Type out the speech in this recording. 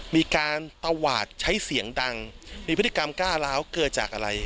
มีการตวาดใช้เสียงดังมีพฤติกรรมก้าวร้าวเกิดจากอะไร